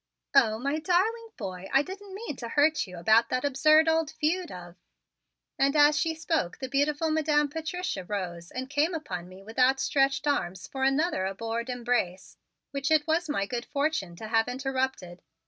"Oh, my darling boy, I didn't mean to hurt you about that absurd old feud of " And as she spoke the beautiful Madam Patricia rose and came upon me with outstretched arms for another abhorred embrace, which it was to my good fortune to have interrupted.